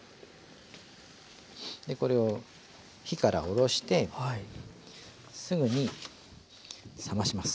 これを火から下ろしてすぐに冷まします。